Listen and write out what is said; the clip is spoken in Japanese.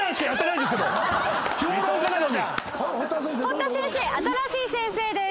堀田先生新しい先生です。